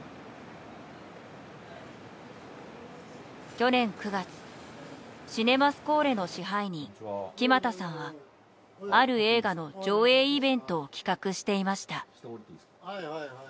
去年９月シネマスコーレの支配人木全さんはある映画の上映イベントを企画していました。